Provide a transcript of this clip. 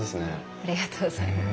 ありがとうございます。